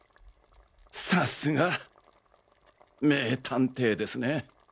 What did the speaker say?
さすが名探偵ですね。